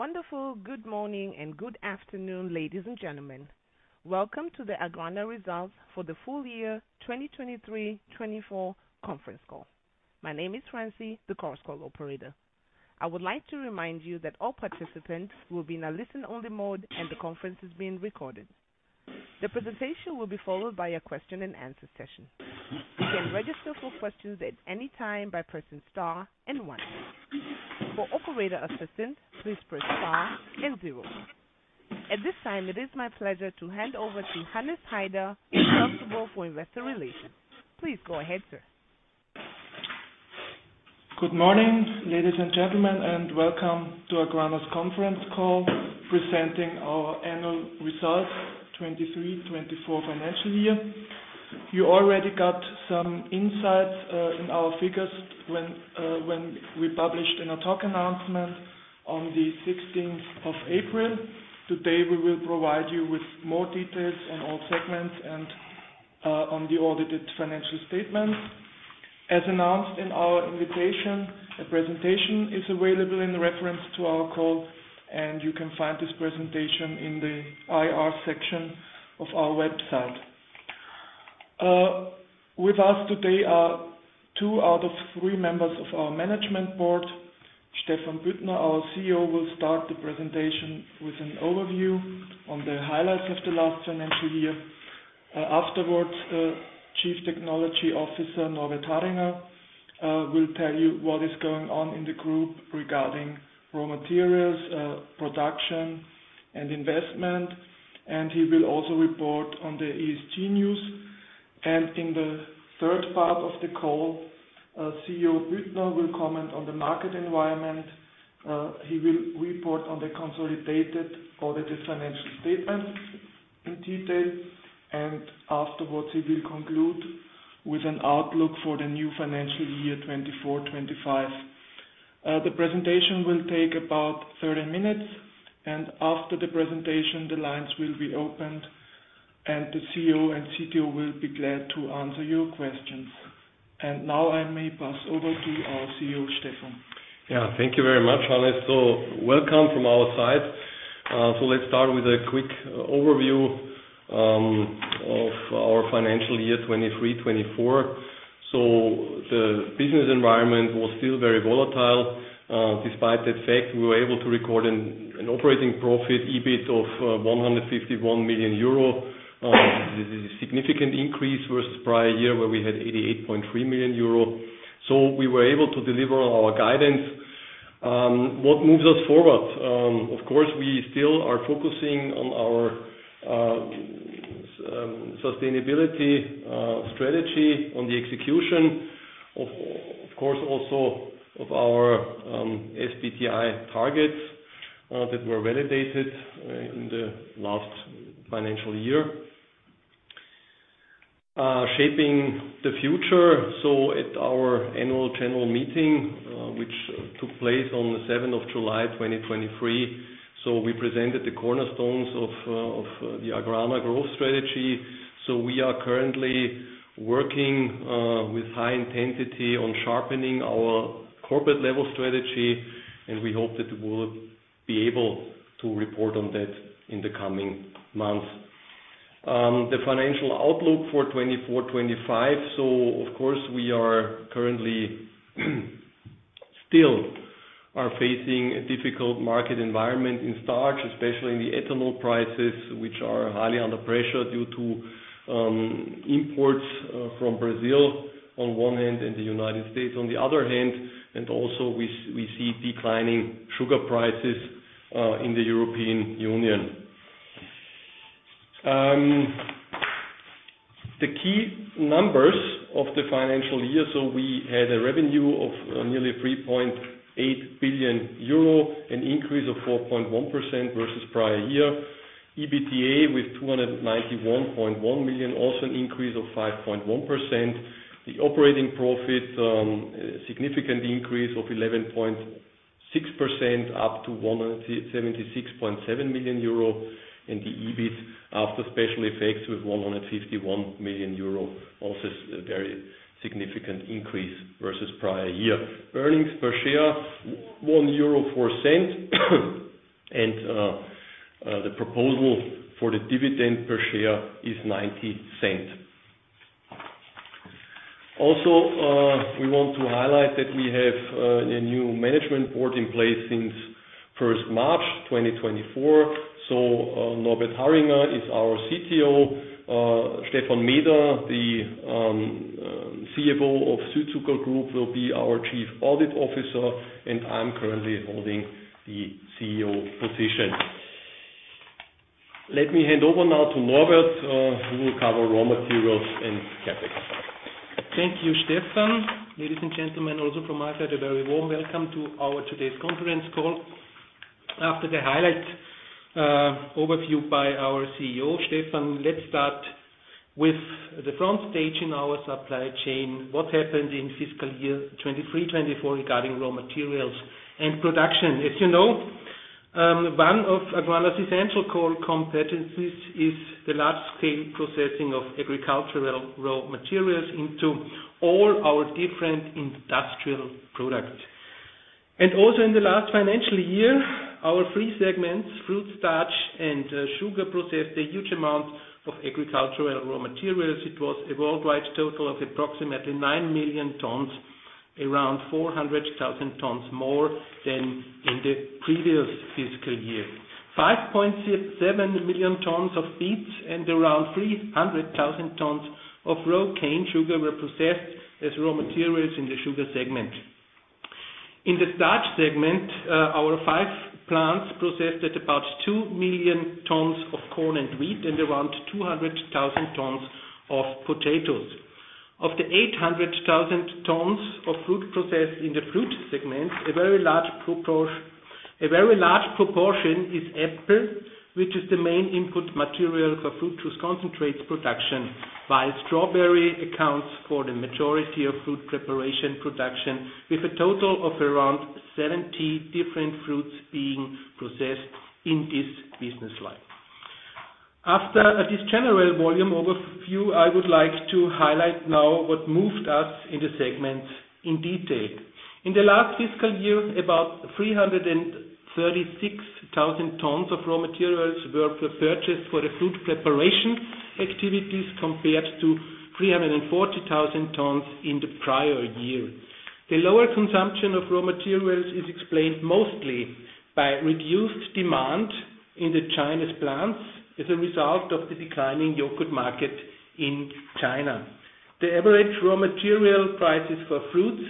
Wonderful. Good morning and good afternoon, ladies and gentlemen. Welcome to the AGRANA Results for the full year 2023-24 conference call. My name is Francie, the call operator. I would like to remind you that all participants will be in a listen-only mode and the conference is being recorded. The presentation will be followed by a question-and-answer session. You can register for questions at any time by pressing star and one. For operator assistance, please press star and zero. At this time, it is my pleasure to hand over to Hannes Haider, responsible for investor relations. Please go ahead, sir. Good morning, ladies and gentlemen, and welcome to AGRANA's conference call presenting our annual results 2023-24 financial year. You already got some insights in our figures when we published in our talk announcement on the 16th of April. Today, we will provide you with more details on all segments and on the audited financial statements. As announced in our invitation, a presentation is available in reference to our call, and you can find this presentation in the IR section of our website. With us today are two out of three members of our management board. Stephan Büttner, our CEO, will start the presentation with an overview on the highlights of the last financial year. Afterwards, Chief Technology Officer Norbert Harringer will tell you what is going on in the group regarding raw materials, production, and investment. He will also report on the ESG news. In the third part of the call, CEO Büttner will comment on the market environment. He will report on the consolidated audited financial statements in detail. Afterwards, he will conclude with an outlook for the new financial year 2024-25. The presentation will take about 30 minutes. After the presentation, the lines will be opened, and the CEO and CTO will be glad to answer your questions. Now I may pass over to our CEO, Stephan. Yeah. Thank you very much, Hannes. So welcome from our side. So let's start with a quick overview of our financial year 2023-24. So the business environment was still very volatile. Despite that fact, we were able to record an operating profit EBIT of 151 million euro. This is a significant increase versus prior year where we had 88.3 million euro. So we were able to deliver our guidance. What moves us forward? Of course, we still are focusing on our sustainability strategy on the execution of, of course, also of our SBTi targets, that were validated in the last financial year. Shaping the future. So at our annual general meeting, which took place on the 7th of July 2023, so we presented the cornerstones of the AGRANA growth strategy. So we are currently working with high intensity on sharpening our corporate level strategy, and we hope that we will be able to report on that in the coming months. The financial outlook for 2024-25. So, of course, we are currently still facing a difficult market environment in starch, especially in the ethanol prices, which are highly under pressure due to imports from Brazil on one hand and the United States on the other hand. And also, we see declining sugar prices in the European Union. The key numbers of the financial year. So we had a revenue of nearly 3.8 billion euro, an increase of 4.1% versus prior year. EBITDA with 291.1 million, also an increase of 5.1%. The operating profit, a significant increase of 11.6% up to 176.7 million euro. The EBIT after special effects with 151 million euro also is a very significant increase versus prior year. Earnings per share, 1.04 euro. We want to highlight that we have a new management board in place since 1st March 2024. Norbert Harringer is our CTO. Stephan Meeder, the CFO of Südzucker Group, will be our Chief Audit Officer. I'm currently holding the CEO position. Let me hand over now to Norbert, who will cover raw materials and CapEx. Thank you, Stephan. Ladies and gentlemen, also from AGRANA, a very warm welcome to our today's conference call. After the highlight, overview by our CEO, Stephan, let's start with the front stage in our supply chain. What happened in fiscal year 2023-24 regarding raw materials and production? As you know, one of AGRANA's essential core competencies is the large-scale processing of agricultural raw materials into all our different industrial products. And also in the last financial year, our three segments, fruit, starch, and sugar, processed a huge amount of agricultural raw materials. It was a worldwide total of approximately 9 million tons, around 400,000 tons more than in the previous fiscal year. 5.7 million tons of beets and around 300,000 tons of raw cane sugar were processed as raw materials in the sugar segment. In the starch segment, our five plants processed about 2 million tons of corn and wheat and around 200,000 tons of potatoes. Of the 800,000 tons of fruit processed in the fruit segments, a very large proportion is apple, which is the main input material for fruit juice concentrates production, while strawberry accounts for the majority of fruit preparation production, with a total of around 70 different fruits being processed in this business line. After this general volume overview, I would like to highlight now what moved us in the segments in detail. In the last fiscal year, about 336,000 tons of raw materials were purchased for the fruit preparation activities compared to 340,000 tons in the prior year. The lower consumption of raw materials is explained mostly by reduced demand in China's plants as a result of the declining yogurt market in China. The average raw material prices for fruits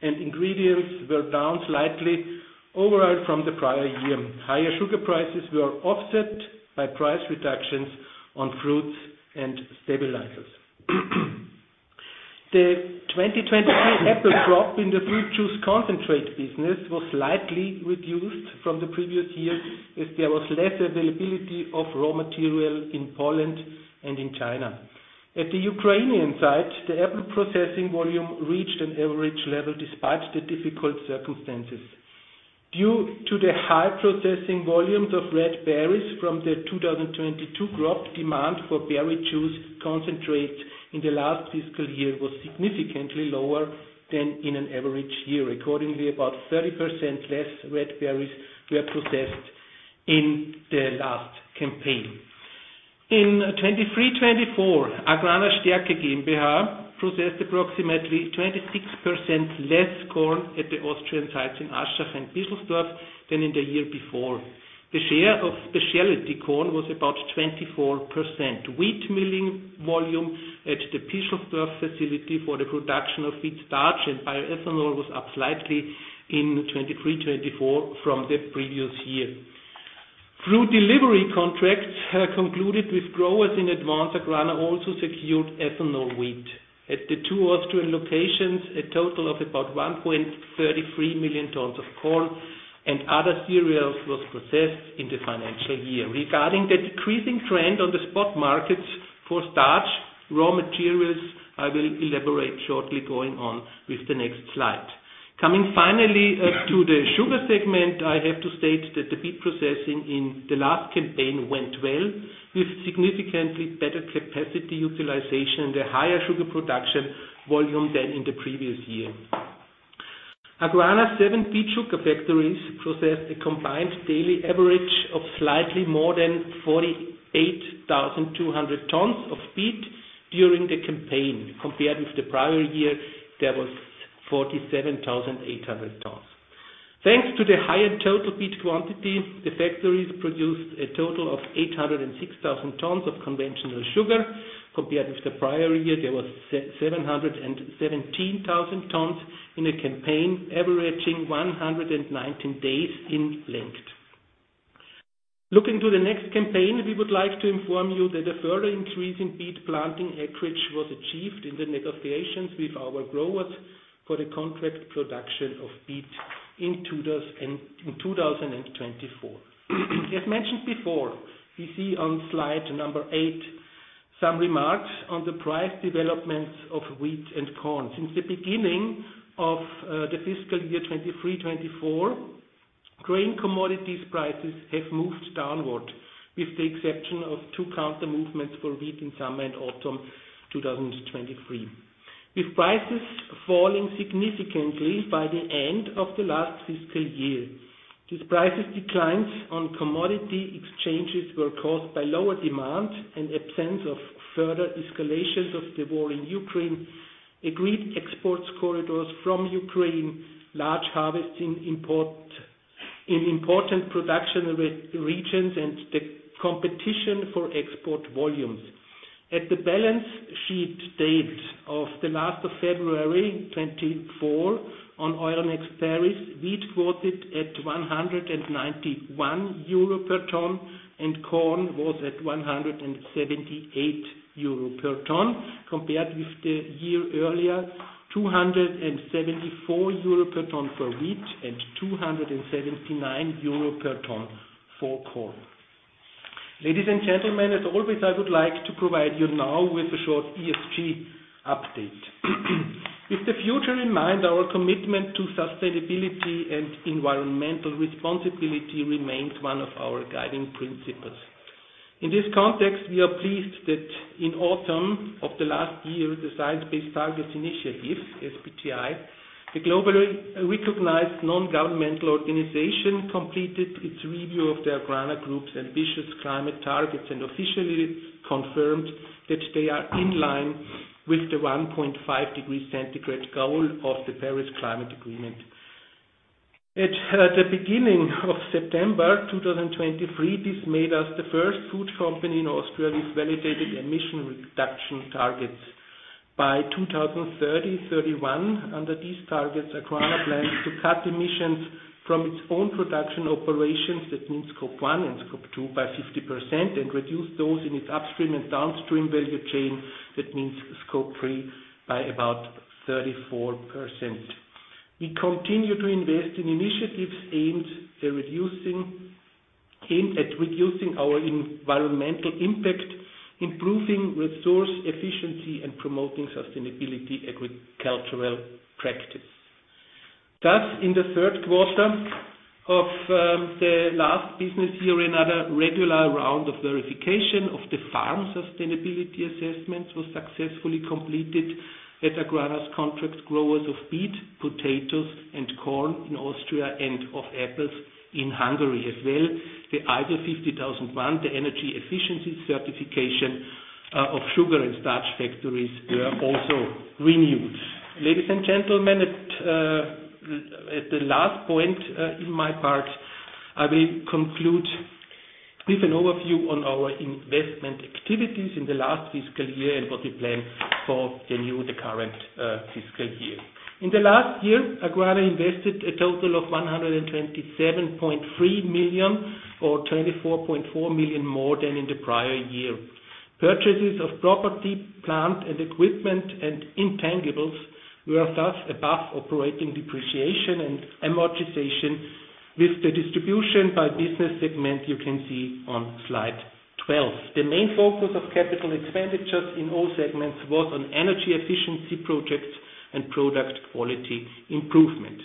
and ingredients were down slightly overall from the prior year. Higher sugar prices were offset by price reductions on fruits and stabilizers. The 2023 apple crop in the fruit juice concentrate business was slightly reduced from the previous year as there was less availability of raw material in Poland and in China. At the Ukrainian side, the apple processing volume reached an average level despite the difficult circumstances. Due to the high processing volumes of red berries from the 2022 crop, demand for berry juice concentrates in the last fiscal year was significantly lower than in an average year. Accordingly, about 30% less red berries were processed in the last campaign. In 2023-24, AGRANA Stärke GmbH processed approximately 26% less corn at the Austrian sites in Aschach and Pischelsdorf than in the year before. The share of specialty corn was about 24%. Wheat milling volume at the Pischelsdorf facility for the production of wheat starch and bioethanol was up slightly in 2023-2024 from the previous year. Through delivery contracts, concluded with growers in advance, AGRANA also secured ethanol wheat. At the two Austrian locations, a total of about 1.33 million tons of corn and other cereals was processed in the financial year. Regarding the decreasing trend on the spot markets for starch raw materials, I will elaborate shortly going on with the next slide. Coming finally to the sugar segment, I have to state that the beet processing in the last campaign went well, with significantly better capacity utilization and a higher sugar production volume than in the previous year. AGRANA's seven beet sugar factories processed a combined daily average of slightly more than 48,200 tons of beet during the campaign. Compared with the prior year, there was 47,800 tons. Thanks to the higher total beet quantity, the factories produced a total of 806,000 tons of conventional sugar. Compared with the prior year, there was 717,000 tons in a campaign averaging 119 days in length. Looking to the next campaign, we would like to inform you that a further increase in beet planting acreage was achieved in the negotiations with our growers for the contract production of beet in 2024. As mentioned before, we see on slide number eight some remarks on the price developments of wheat and corn. Since the beginning of the fiscal year 2023-2024, grain commodities prices have moved downward, with the exception of two counter movements for wheat in summer and autumn 2023, with prices falling significantly by the end of the last fiscal year. These prices' declines on commodity exchanges were caused by lower demand and absence of further escalations of the war in Ukraine, agreed export corridors from Ukraine, large harvests in important production regions, and the competition for export volumes. At the balance sheet date of the last of February 2024 on Euronext Paris, wheat quoted at 191 euro per ton and corn was at 178 euro per ton, compared with the year earlier, 274 euro per ton for wheat and 279 euro per ton for corn. Ladies and gentlemen, as always, I would like to provide you now with a short ESG update. With the future in mind, our commitment to sustainability and environmental responsibility remains one of our guiding principles. In this context, we are pleased that in autumn of the last year, the Science Based Targets initiative, SBTi, the globally recognized non-governmental organization, completed its review of the AGRANA Group's ambitious climate targets and officially confirmed that they are in line with the 1.5-degree centigrade goal of the Paris Climate Agreement. At the beginning of September 2023, this made us the first food company in Austria with validated emission reduction targets. By 2030-2031, under these targets, AGRANA plans to cut emissions from its own production operations, that means Scope I and Scope II, by 50% and reduce those in its upstream and downstream value chain, that means Scope III, by about 34%. We continue to invest in initiatives aimed at reducing our environmental impact, improving resource efficiency, and promoting sustainable agricultural practices. Thus, in the third quarter of the last business year, another regular round of verification of the farm sustainability assessments was successfully completed at AGRANA's contract growers of beet, potatoes, and corn in Austria and of apples in Hungary as well. The ISO 50001, the energy efficiency certification, of sugar and starch factories were also renewed. Ladies and gentlemen, at the last point in my part, I will conclude with an overview on our investment activities in the last fiscal year and what we plan for the new, the current fiscal year. In the last year, AGRANA invested a total of 127.3 million or 24.4 million more than in the prior year. Purchases of property, plant, and equipment and intangibles were thus above operating depreciation and amortization, with the distribution by business segment you can see on slide 12. The main focus of capital expenditures in all segments was on energy efficiency projects and product quality improvement.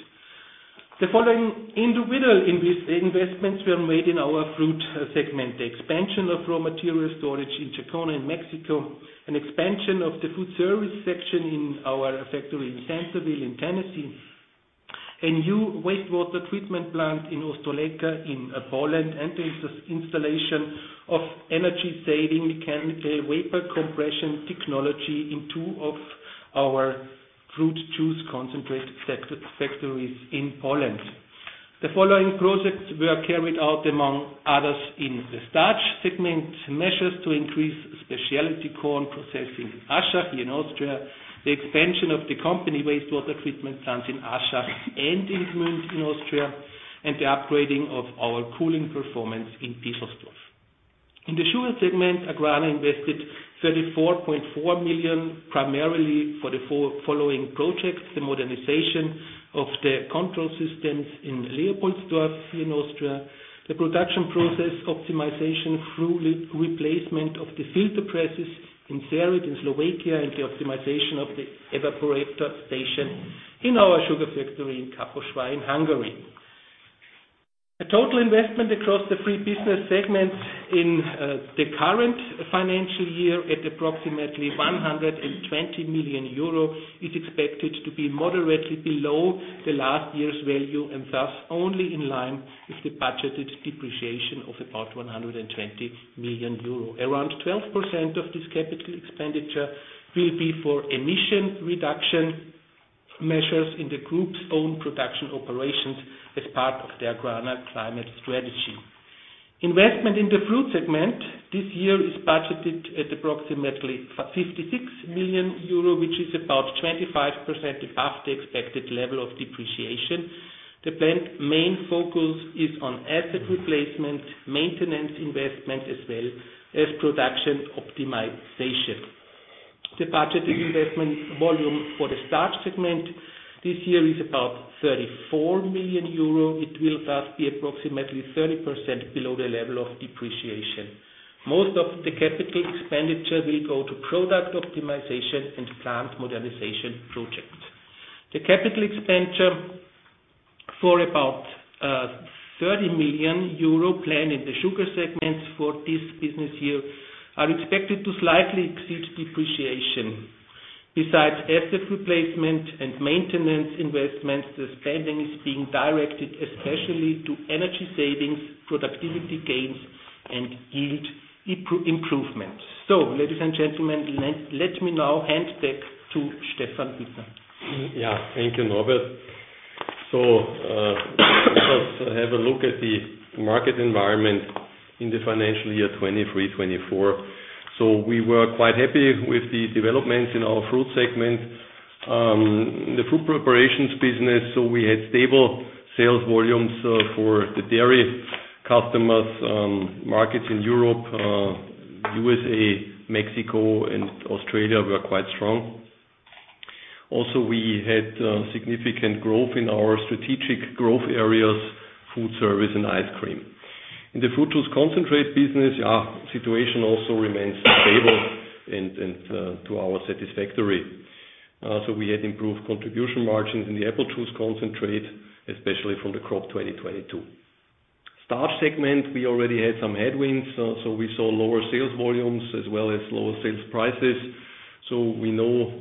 The following individual investments were made in our fruit segment: the expansion of raw material storage in Jacona in Mexico, an expansion of the food service section in our factory in Centerville in Tennessee, a new wastewater treatment plant in Ostrołęka in Poland, and the installation of energy-saving mechanical vapor compression technology in two of our fruit juice concentrate factories in Poland. The following projects were carried out, among others, in the starch segment: measures to increase specialty corn processing in Aschach here in Austria, the expansion of the company wastewater treatment plants in Aschach and in Gmünd in Austria, and the upgrading of our cooling performance in Pischelsdorf. In the sugar segment, AGRANA invested 34.4 million primarily for the following projects: the modernization of the control systems in Leopoldsdorf here in Austria, the production process optimization through replacement of the filter presses in Sereď in Slovakia, and the optimization of the evaporator station in our sugar factory in Kaposvár in Hungary. The total investment across the three business segments in the current financial year at approximately 120 million euro is expected to be moderately below the last year's value and thus only in line with the budgeted depreciation of about 120 million euro. Around 12% of this capital expenditure will be for emission reduction measures in the group's own production operations as part of the AGRANA climate strategy. Investment in the fruit segment this year is budgeted at approximately 56 million euro, which is about 25% above the expected level of depreciation. The plant's main focus is on asset replacement, maintenance investment, as well as production optimization. The budgeted investment volume for the starch segment this year is about 34 million euro. It will thus be approximately 30% below the level of depreciation. Most of the capital expenditure will go to product optimization and plant modernization projects. The capital expenditure for about 30 million euro planned in the sugar segments for this business year are expected to slightly exceed depreciation. Besides asset replacement and maintenance investments, the spending is being directed especially to energy savings, productivity gains, and yield improvement. So, ladies and gentlemen, let me now hand it back to Stephan Büttner. Yeah, thank you, Norbert. So, let us have a look at the market environment in the financial year 2023-24. So, we were quite happy with the developments in our fruit segment, in the fruit preparations business. So, we had stable sales volumes for the dairy customers. Markets in Europe, the USA, Mexico, and Australia were quite strong. Also, we had significant growth in our strategic growth areas: food service and ice cream. In the fruit juice concentrate business, yeah, the situation also remains stable and to our satisfactory. So we had improved contribution margins in the apple juice concentrate, especially from the crop 2022. Starch segment, we already had some headwinds, so we saw lower sales volumes as well as lower sales prices. So, we know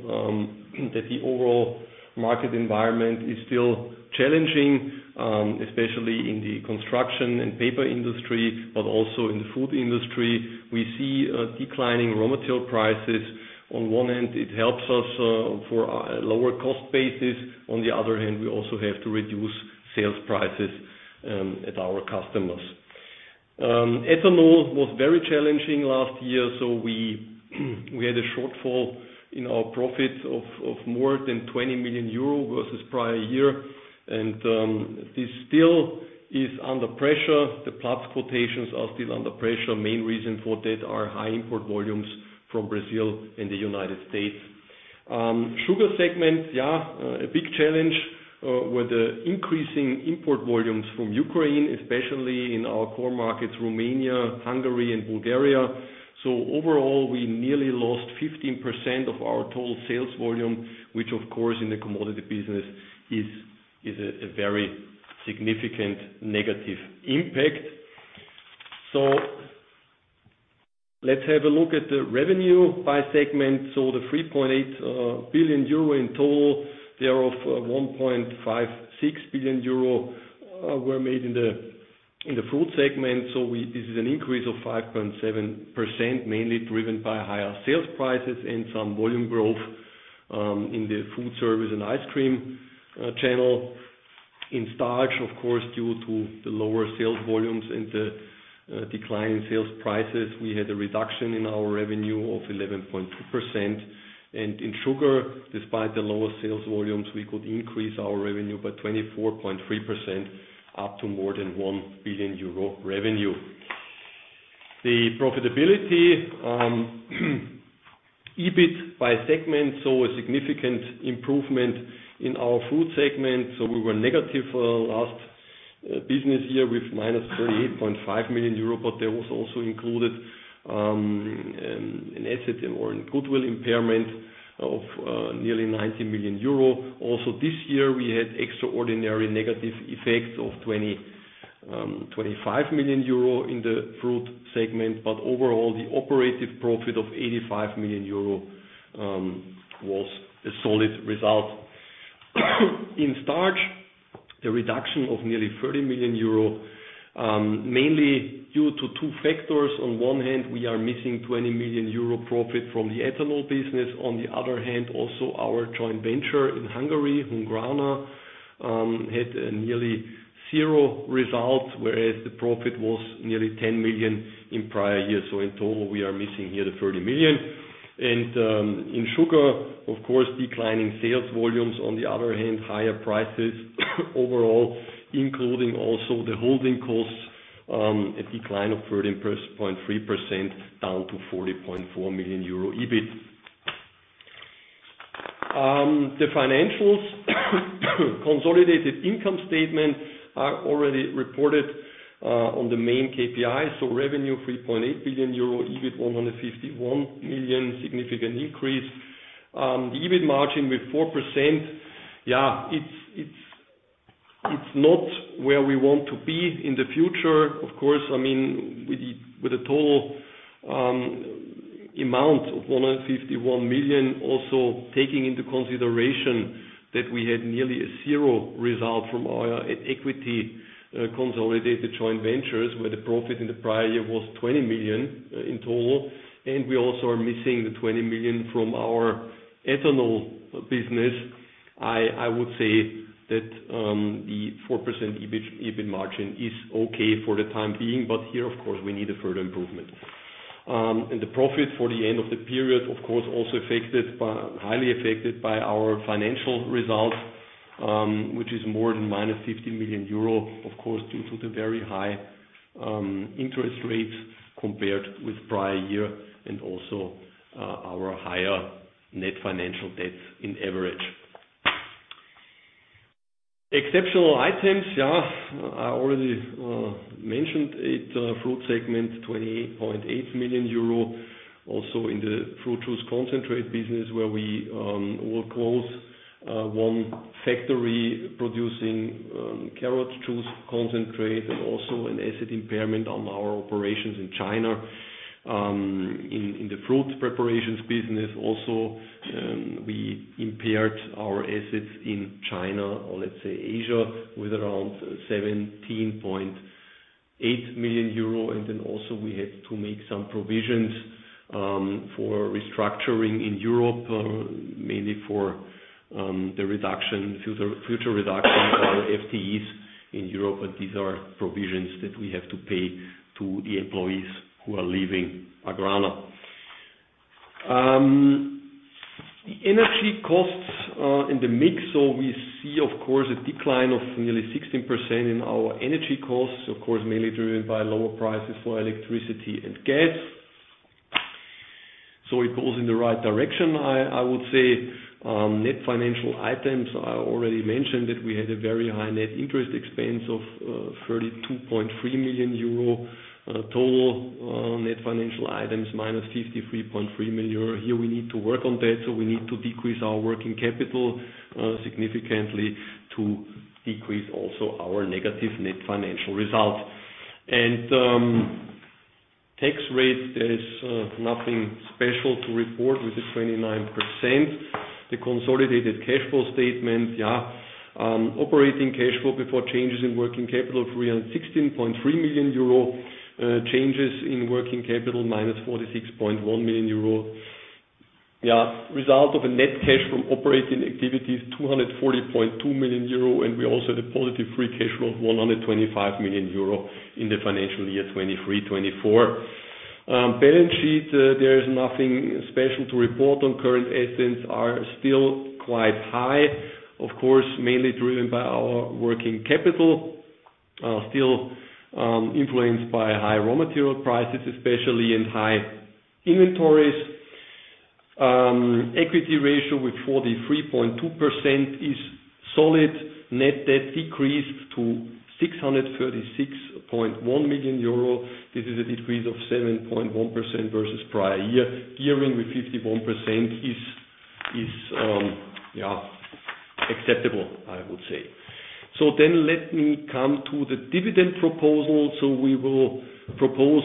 that the overall market environment is still challenging, especially in the construction and paper industry, but also in the food industry. We see declining raw material prices. On one end, it helps us for a lower cost basis. On the other hand, we also have to reduce sales prices at our customers. Ethanol was very challenging last year. So, we had a shortfall in our profit of more than 20 million euro versus prior year. This still is under pressure. The Platts quotations are still under pressure. Main reason for that are high import volumes from Brazil and the United States. Sugar segment, yeah, a big challenge, were the increasing import volumes from Ukraine, especially in our core markets: Romania, Hungary, and Bulgaria. So, overall, we nearly lost 15% of our total sales volume, which, of course, in the commodity business is a very significant negative impact. So, let's have a look at the revenue by segment. So, the 3.8 billion euro in total, thereof 1.56 billion euro were made in the fruit segment. So, this is an increase of 5.7%, mainly driven by higher sales prices and some volume growth, in the food service and ice cream channel. In starch, of course, due to the lower sales volumes and the declining sales prices, we had a reduction in our revenue of 11.2%. In sugar, despite the lower sales volumes, we could increase our revenue by 24.3% up to more than 1 billion euro revenue. The profitability, EBIT by segment, so a significant improvement in our fruit segment. So, we were negative last business year with -38.5 million euro, but there was also included an asset or a goodwill impairment of nearly 90 million euro. Also, this year, we had extraordinary negative effects of 20-25 million euro in the fruit segment, but overall, the operative profit of 85 million euro was a solid result. In starch, the reduction of nearly 30 million euro, mainly due to two factors. On one hand, we are missing 20 million euro profit from the ethanol business. On the other hand, also, our joint venture in Hungary, Hungrana, had a nearly zero result, whereas the profit was nearly 10 million in prior year. So, in total, we are missing here the 30 million. And, in sugar, of course, declining sales volumes. On the other hand, higher prices overall, including also the holding costs, a decline of 13.3% down to EUR 40.4 million EBIT. The financials, consolidated income statement are already reported, on the main KPIs. So, revenue 3.8 billion euro, EBIT 151 million, significant increase. The EBIT margin with 4%, yeah, it's, it's, it's not where we want to be in the future. Of course, I mean, with the with the total, amount of 151 million, also taking into consideration that we had nearly a zero result from our equity, consolidated joint ventures, where the profit in the prior year was 20 million in total. We also are missing the 20 million from our ethanol business. I would say that the 4% EBIT margin is okay for the time being, but here, of course, we need a further improvement. The profit for the end of the period, of course, also highly affected by our financial results, which is more than minus 15 million euro, of course, due to the very high interest rates compared with prior year and also our higher net financial debts in average. Exceptional items, yeah. I already mentioned it, fruit segment 20.8 million euro. Also in the fruit juice concentrate business where we will close one factory producing carrot juice concentrate and also an asset impairment on our operations in China. In the fruit preparations business also, we impaired our assets in China or, let's say, Asia with around 17.8 million euro. And then also we had to make some provisions for restructuring in Europe, mainly for the future reduction of our FTEs in Europe. And these are provisions that we have to pay to the employees who are leaving AGRANA. The energy costs in the mix. So we see, of course, a decline of nearly 16% in our energy costs, of course, mainly driven by lower prices for electricity and gas. So it goes in the right direction, I, I would say. Net financial items, I already mentioned that we had a very high net interest expense of 32.3 million euro, total net financial items minus 53.3 million euro. Here we need to work on that. So we need to decrease our working capital significantly to decrease also our negative net financial result. And tax rates, there's nothing special to report with the 29%. The consolidated cash flow statement, yeah. Operating cash flow before changes in working capital 316.3 million euro, changes in working capital minus 46.1 million euro. Yeah, result of a net cash from operating activities 240.2 million euro. And we also had a positive free cash flow of 125 million euro in the financial year 2023-2024. Balance sheet, there is nothing special to report on. Current assets are still quite high, of course, mainly driven by our working capital, still influenced by high raw material prices, especially, and high inventories. Equity ratio with 43.2% is solid. Net debt decreased to 636.1 million euro. This is a decrease of 7.1% versus prior year. Gearing with 51% is, yeah, acceptable, I would say. So then let me come to the dividend proposal. So we will propose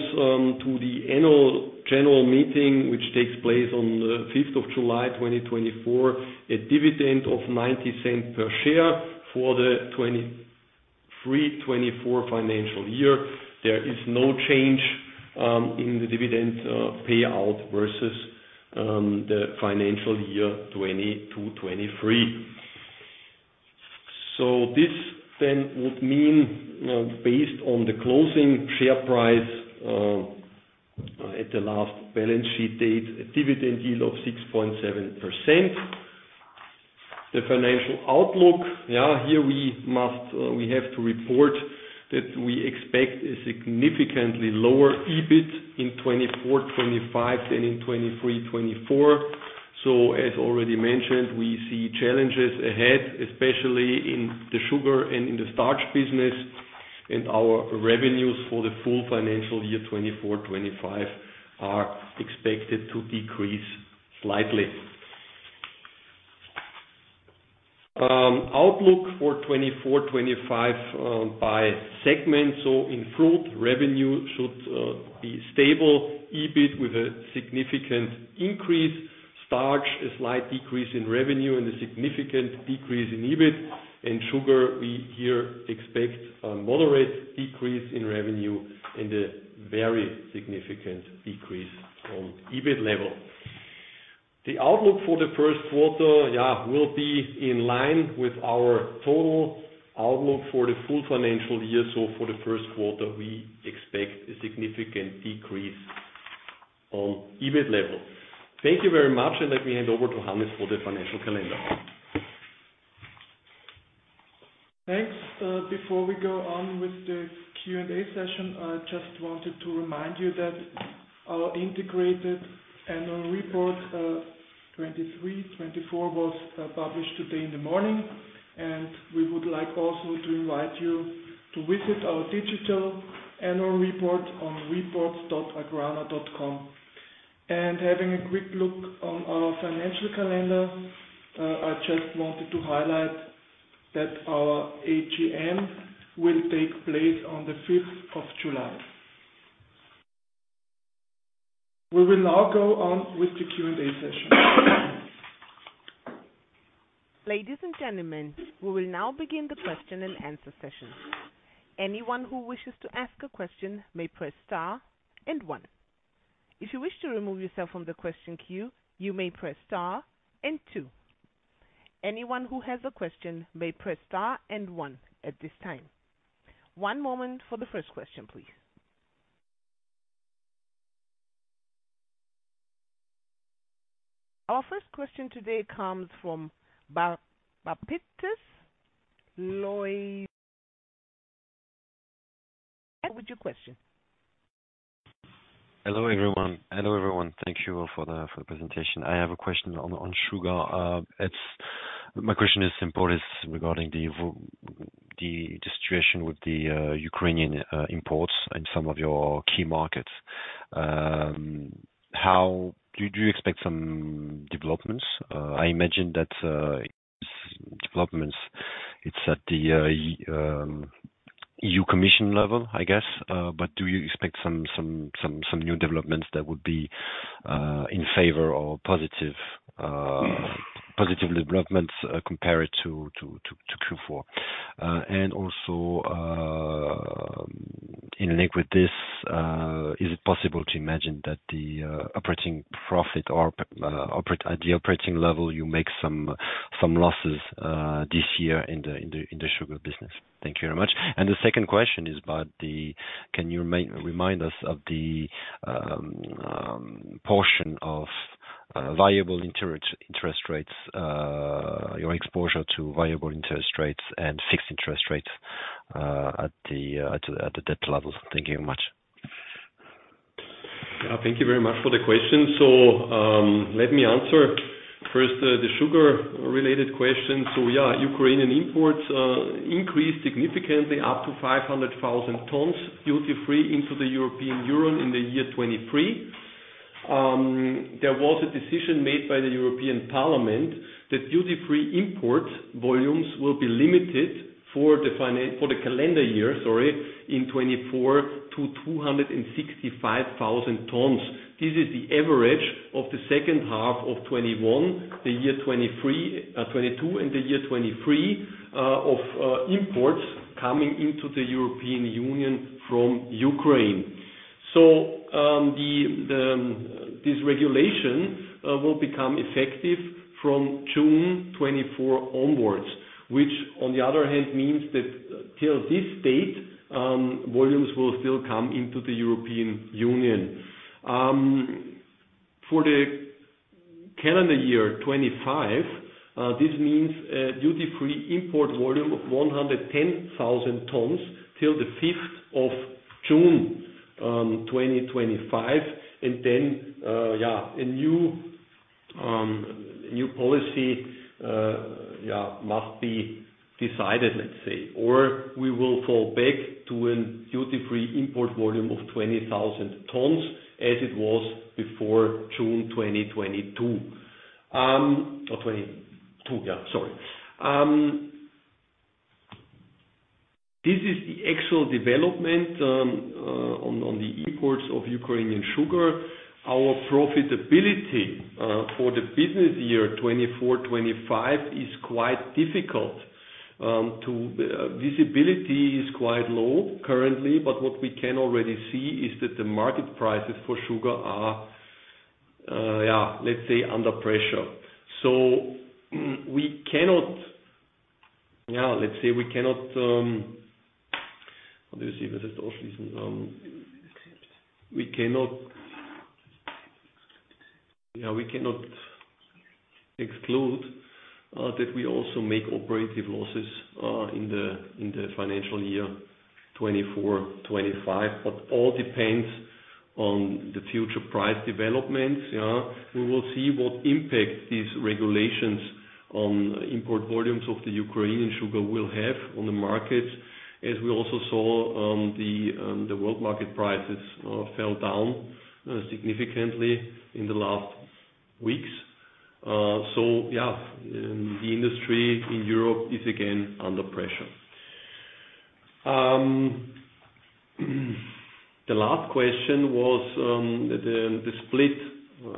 to the annual general meeting, which takes place on the 5th of July 2024, a dividend of 0.90 per share for the 2023-2024 financial year. There is no change in the dividend payout versus the financial year 2022-2023. So this then would mean, based on the closing share price at the last balance sheet date, a dividend yield of 6.7%. The financial outlook, yeah, here we must, we have to report that we expect a significantly lower EBIT in 2024-2025 than in 2023-2024. So, as already mentioned, we see challenges ahead, especially in the sugar and in the starch business. And our revenues for the full financial year 2024-2025 are expected to decrease slightly. Outlook for 2024-2025, by segment. So in fruit, revenue should be stable, EBIT with a significant increase, starch a slight decrease in revenue and a significant decrease in EBIT. And sugar, we here expect a moderate decrease in revenue and a very significant decrease on EBIT level. The outlook for the first quarter, yeah, will be in line with our total outlook for the full financial year. So for the first quarter, we expect a significant decrease on EBIT level. Thank you very much. And let me hand over to Hannes for the financial calendar. Thanks. Before we go on with the Q&A session, I just wanted to remind you that our integrated annual report, 2023-2024 was published today in the morning. And we would like also to invite you to visit our digital annual report on reports.agrana.com. And having a quick look on our financial calendar, I just wanted to highlight that our AGM will take place on the 5th of July. We will now go on with the Q&A session. Ladies and gentlemen, we will now begin the question and answer session. Anyone who wishes to ask a question may press star and one. If you wish to remove yourself from the question queue, you may press star and two. Anyone who has a question may press star and one at this time. One moment for the first question, please. Our first question today comes from Baptiste de Leudeville. What was your question? Hello, everyone. Hello, everyone. Thank you all for the presentation. I have a question on sugar. It's my question is simple. It's regarding the situation with the Ukrainian imports in some of your key markets. How do you expect some developments? I imagine that developments it's at the EU Commission level, I guess. But do you expect some new developments that would be in favor or positive developments, compared to Q4? And also, in link with this, is it possible to imagine that the operating profit or operate at the operating level, you make some losses this year in the sugar business? Thank you very much. And the second question is about, can you remind us of the portion of variable interest rates, your exposure to variable interest rates and fixed interest rates, at the debt level? Thank you very much. Yeah, thank you very much for the question. So, let me answer first the sugar-related question. So, yeah, Ukrainian imports increased significantly up to 500,000 tons duty-free into the European Union in the year 2023. There was a decision made by the European Parliament that duty-free import volumes will be limited for the calendar year, sorry, in 2024 to 265,000 tons. This is the average of the second half of 2021, the year 2023, 2022, and the year 2023, of imports coming into the European Union from Ukraine. So, this regulation will become effective from June 2024 onwards, which, on the other hand, means that till this date, volumes will still come into the European Union. For the calendar year 2025, this means duty-free import volume of 110,000 tons till the 5th of June, 2025. And then, yeah, a new, a new policy, yeah, must be decided, let's say, or we will fall back to a duty-free import volume of 20,000 tons as it was before June 2022. Or 2022, yeah, sorry. This is the actual development on the imports of Ukrainian sugar. Our profitability for the business year 2024-2025 is quite difficult. Visibility is quite low currently, but what we can already see is that the market prices for sugar are, yeah, let's say, under pressure. So, we cannot, yeah, let's say, exclude that we also make operative losses in the financial year 2024-2025, but all depends on the future price developments, yeah. We will see what impact these regulations on import volumes of the Ukrainian sugar will have on the markets, as we also saw, the world market prices fell down significantly in the last weeks. So, yeah, the industry in Europe is again under pressure. The last question was the split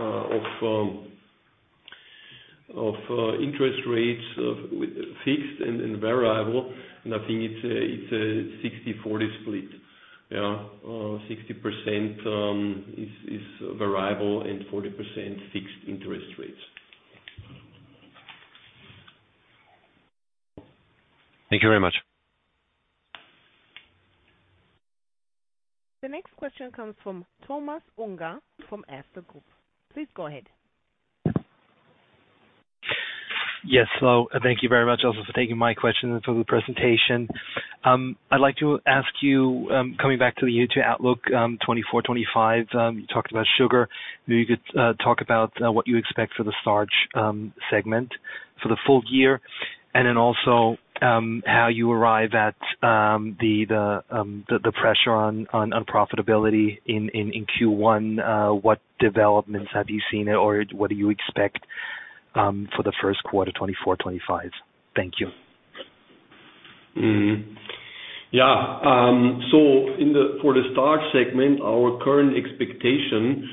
of interest rates, fixed and variable. I think it's a 60/40 split, yeah. 60% is variable and 40% fixed interest rates. Thank you very much. The next question comes from Thomas Unger from Erste Group. Please go ahead. Yes. Well, thank you very much, Elsa, for taking my question and for the presentation. I'd like to ask you, coming back to the FY outlook, 2024-2025, you talked about sugar. Maybe you could talk about what you expect for the starch segment for the full year and then also how you arrive at the pressure on profitability in Q1. What developments have you seen or what do you expect for the first quarter 2024-2025? Thank you. Mm-hmm. Yeah. So in the for the starch segment, our current expectation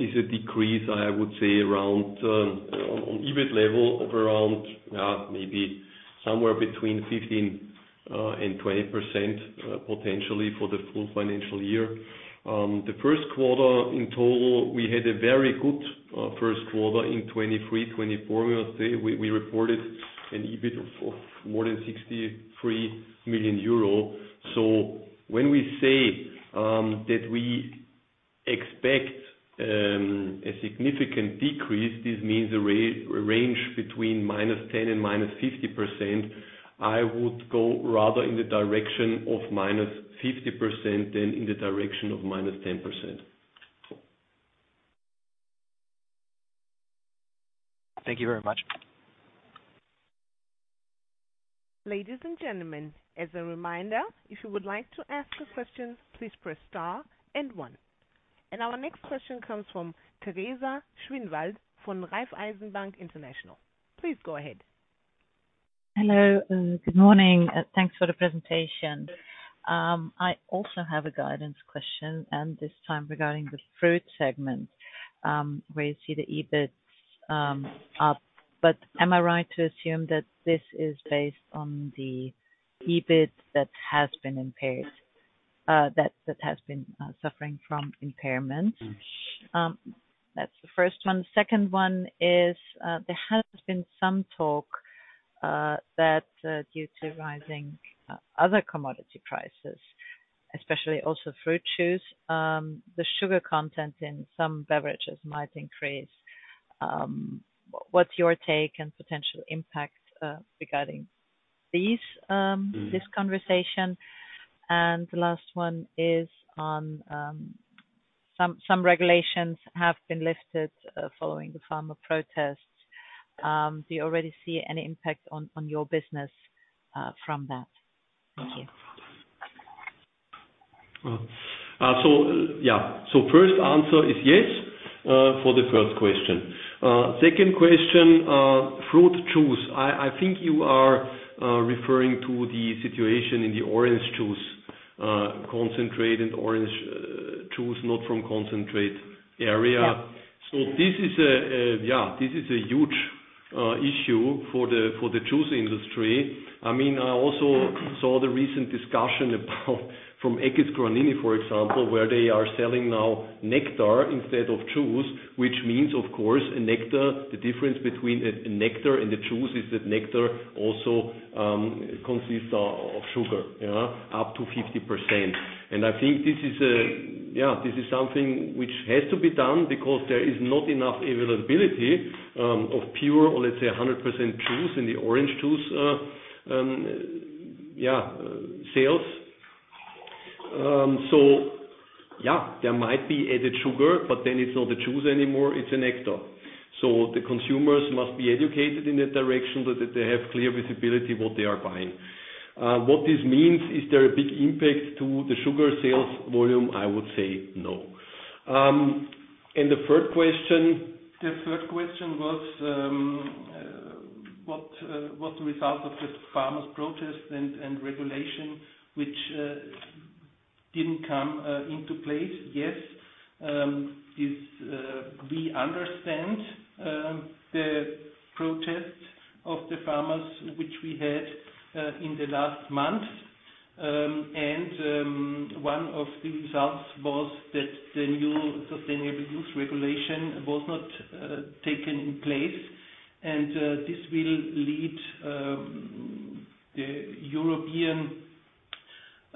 is a decrease, I would say, around on EBIT level of around, yeah, maybe somewhere between 15%-20%, potentially for the full financial year. The first quarter in total, we had a very good first quarter in 2023-2024. We must say we reported an EBIT of more than 63 million euro. So when we say that we expect a significant decrease, this means a range between -10% and -50%. I would go rather in the direction of -50% than in the direction of -10%. Thank you very much. Ladies and gentlemen, as a reminder, if you would like to ask a question, please press star and one. And our next question comes from Teresa Schinwald from Raiffeisen Bank International. Please go ahead. Hello. Good morning. Thanks for the presentation. But I also have a guidance question, and this time regarding the fruit segment, where you see the EBITs up. But am I right to assume that this is based on the EBIT that has been impaired, that that has been suffering from impairment? That's the first one. The second one is, there has been some talk that, due to rising other commodity prices, especially also fruit juice, the sugar content in some beverages might increase. What's your take and potential impact regarding these, this conversation? And the last one is on, some regulations have been lifted following the farmer protests. Do you already see any impact on your business from that? Thank you. Well, so, yeah, so first answer is yes for the first question. Second question, fruit juice. I think you are referring to the situation in the orange juice concentrate and orange juice not from concentrate area. So this is yeah, this is a huge issue for the juice industry. I mean, I also saw the recent discussion about from Eckes-Granini, for example, where they are selling now nectar instead of juice, which means, of course, nectar the difference between a nectar and the juice is that nectar also consists of sugar, yeah, up to 50%. And I think this is yeah, this is something which has to be done because there is not enough availability of pure or, let's say, 100% juice in the orange juice sales. So, yeah, there might be added sugar, but then it's not the juice anymore. It's a nectar. So the consumers must be educated in that direction so that they have clear visibility what they are buying. What this means is there a big impact to the sugar sales volume? I would say no. And the third question The third question was, what, was the result of the farmers' protests and and regulation, which, didn't come, into place? Yes. This, we understand, the protests of the farmers, which we had, in the last month. And, one of the results was that the new Sustainable Use Regulation was not, taken in place. And, this will lead, the European,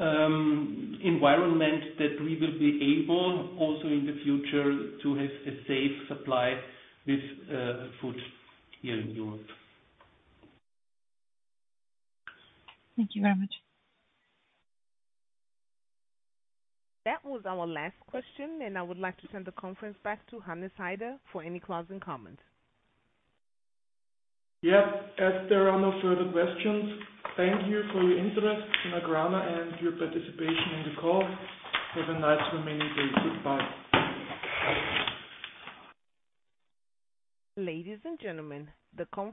environment that we will be able also in the future to have a safe supply with, food here in Europe. Thank you very much. That was our last question. And I would like to turn the conference back to Hannes Haider for any closing comments. Yep. As there are no further questions, thank you for your interest in AGRANA and your participation in the call. Have a nice remaining day. Goodbye. Ladies and gentlemen, the.